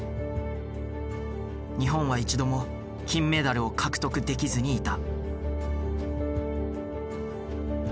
日本は一度も金メダルを獲得できずにいた。